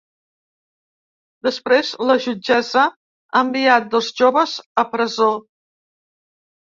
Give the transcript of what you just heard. Després la jutgessa ha enviat dos joves a presó.